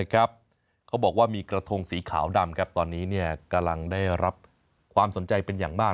เขาบอกว่ามีกระทงสีขาวดำตอนนี้กำลังได้รับความสนใจเป็นอย่างมาก